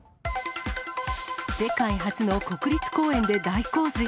世界初の国立公園で大洪水。